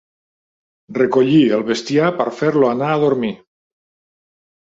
Recollir el bestiar per fer-lo anar a dormir.